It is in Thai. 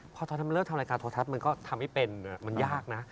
พอตอนนั้นมันเลิกทำรายการโทรทัศน์มันก็ทำให้เป็นมันยากนะ